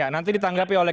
nanti ditanggapi oleh